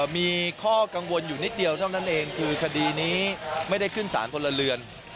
มีข้อกังวลอยู่นิดเดียวเท่านั้นเองคือคดีนี้ไม่ได้ขึ้นสารพลเรือน